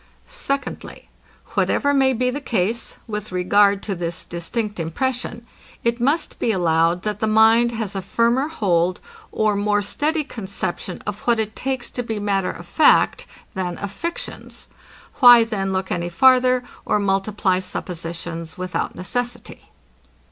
Secondly, Whatever may be the case, with regard to this distinct impression, it must be allowed, that the mind has a firmer hold, or more steady conception of what it takes to be matter of fact, than of fictions. Why then look any farther, or multiply suppositions without necessity?